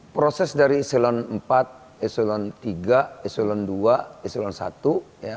proses dari esulah empat esulah tiga esulah dua esulah satu